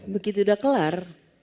begitu udah kelar